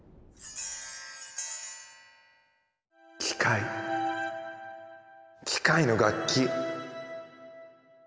機械機械の楽器。